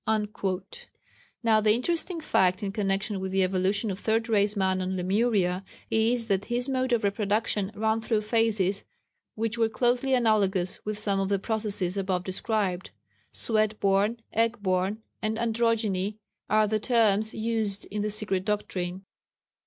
" Now, the interesting fact in connection with the evolution of Third Race man on Lemuria, is that his mode of reproduction ran through phases which were closely analogous with some of the processes above described. Sweat born, egg born and Androgyne are the terms used in the Secret Doctrine.